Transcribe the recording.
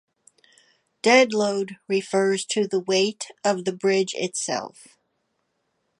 Dead load refers to the weight of the bridge itself.